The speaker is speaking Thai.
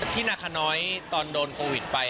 นาคาน้อยตอนโดนโควิดไป